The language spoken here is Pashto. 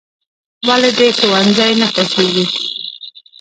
"ولې دې ښوونځی نه خوښېږي؟"